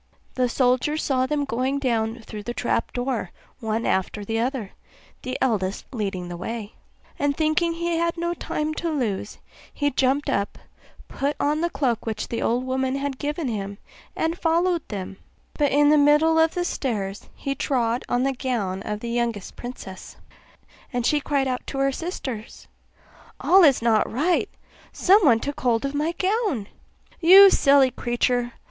The soldier saw them going down through the trap door one after another, the eldest leading the way; and thinking he had no time to lose, he jumped up, put on the cloak which the old woman had given him, and followed them; but in the middle of the stairs he trod on the gown of the youngest princess, and she cried out to her sisters, 'All is not right; someone took hold of my gown.' 'You silly creature!